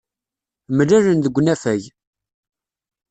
Mlalen deg unafag.